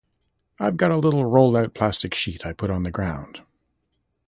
I've got a little rollout plastic sheet I put on the ground.